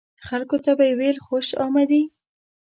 خلکو ته به یې ویل خوش آمدي.